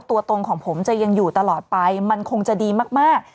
ตัวตรงของผมจะยังอยู่ตลอดไปมันคงจะดีมาก